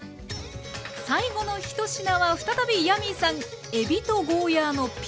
最後の１品は再びヤミーさん